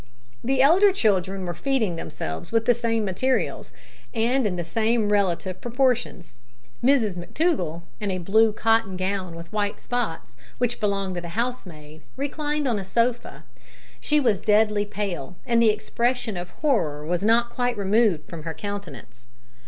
The elder children were feeding themselves with the same materials, and in the same relative proportions. Mrs McTougall, in a blue cotton gown with white spots, which belonged to the housemaid, reclined on a sofa; she was deadly pale, and the expression of horror was not quite removed from her countenance.